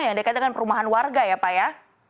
yang dekat dengan perumahan warga ya pak ya